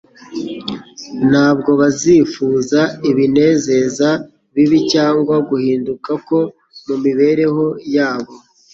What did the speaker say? Ntabwo bazifuza ibinezeza bibi cyangwa guhinduka ko mu mibereho yabo.